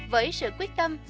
với sự quyết tâm